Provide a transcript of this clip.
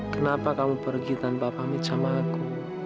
kenapa kamu pergi tanpa pamit sama aku